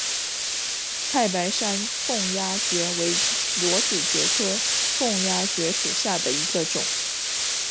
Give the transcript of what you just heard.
太白山凤丫蕨为裸子蕨科凤丫蕨属下的一个种。